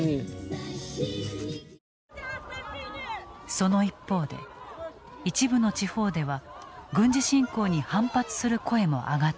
その一方で一部の地方では軍事侵攻に反発する声も上がっている。